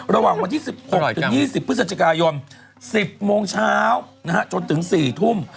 ระหว่างวันที่๑๖๒๐พฤศจิกายน๑๐โมงเช้าจนถึง๔ทุ่ม